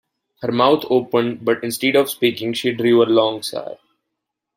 Her mouth opened, but instead of speaking she drew a long sigh.